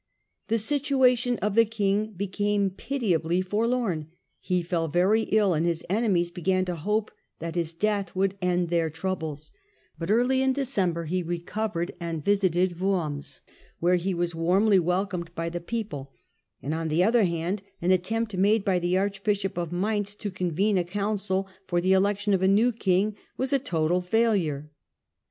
The situation of the king became pitiably forlorn ; he fell very ill, and his enemies began to hope that his death would end their troubles; but early in December he recovered and visited Worms, where he was warmly welcomed by the people ; and, on the other hand, an attempt made by the archbishop of Mainz to convene a council for the election of a new king was a total failure.